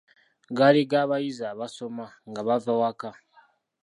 Gaali ga bayizi abasoma nga bava waka.